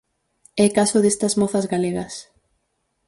É caso destas mozas galegas.